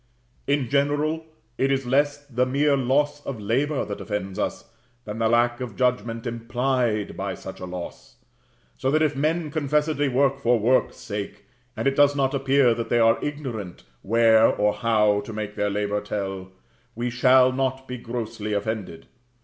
In general it is less the mere loss of labor that offends us, than the lack of judgment implied by such loss; so that if men confessedly work for work's sake, and it does not appear that they are ignorant where or how to make their labor tell, we shall not be grossly offended.